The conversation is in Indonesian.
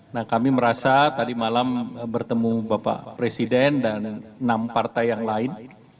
nah kami merasa tadi malam bertemu bapak presiden dan enam partai yang lain